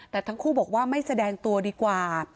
แต่ทั้งคู่บอกว่าไม่แสดงตัวดีกว่า